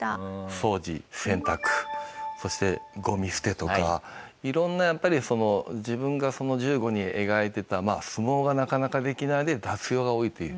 掃除洗濯そしてゴミ捨てとか色んなやっぱりその自分が１５に描いていた相撲がなかなかできないで雑用が多いという。